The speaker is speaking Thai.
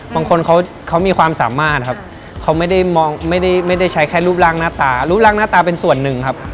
บางคนเขามีความสามารถครับเขาไม่ได้ใช้แค่รูปล่างหน้าต๑๘๙๐เป็นส่วนหนึ่งครับ